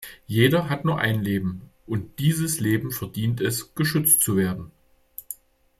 Jeder hat nur ein Leben, und dieses Leben verdient es, geschützt zu werden.